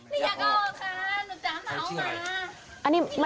นี่อยากเอาค่ะหนูจำเขามา